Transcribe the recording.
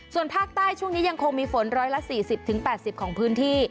ส่วนภาคใต้ช่วงนี้ยังคงมีฝน๑๔๐๘๐ของพื้นที่